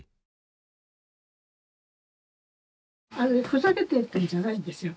ふざけて言ってんじゃないんですよ。